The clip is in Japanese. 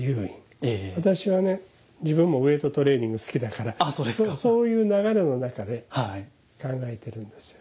自分もウエイトトレーニング好きだからそういう流れの中で考えてるんですよ。